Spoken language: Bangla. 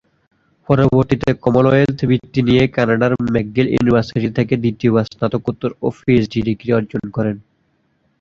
পরবর্তীতে কমনওয়েলথ বৃত্তি নিয়ে কানাডার ম্যাকগিল ইউনিভার্সিটি থেকে দ্বিতীয়বার স্নাতকোত্তর ও পিএইচডি ডিগ্রি অর্জন করেন।